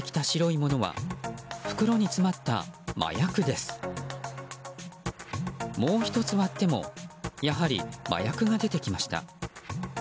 もう１つ割ってもやはり麻薬が出てきました。